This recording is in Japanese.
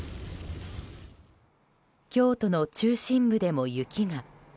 京都の中心部でも雪が。